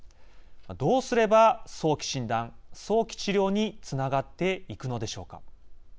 どうすれば早期診断・早期治療につながっていくのでしょうか。